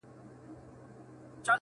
یار له جهان سره سیالي کوومه ښه کوومه,